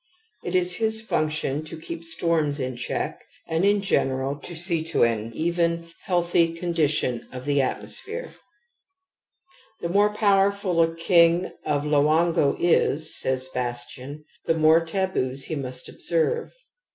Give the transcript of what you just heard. It is his function to keep storms in check, and in general, to see to an even, healthy condition of the atmosphere »®. The more powei^ ful a king of Loango is, says Bastian, the more taboos he must observe.